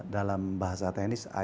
dalam bahasa tenis